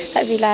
tại vì là